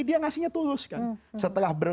dia ngasihnya tulus kan setelah